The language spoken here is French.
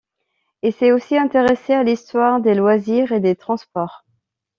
Il s'est aussi intéressé à l'histoire des loisirs et des transports.